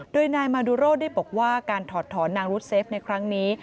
โดยนายมาดูโร่ได้บอกว่าการถอดถอนนางรุดเซฟในครั้งนี้